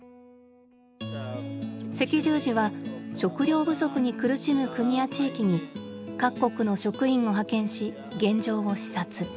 赤十字は食料不足に苦しむ国や地域に各国の職員を派遣し現状を視察。